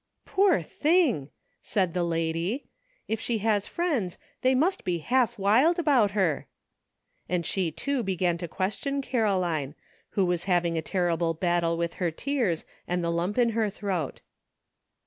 " Poor thing !" said the lady ;" if she has friends they must be half wild about her," and she too began to question Caroline, who was having a terrible battle with her tears and the lump in her throat.